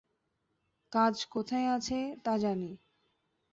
কাজ কোথায় আছে তা জানি।